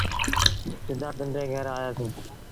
سڌآ پنڊري گھر آيآسيٚݩ۔